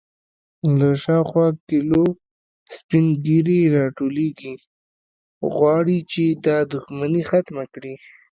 _له شاوخوا کليو سپين ږيرې راټولېږي، غواړي چې دا دښمنې ختمه کړي.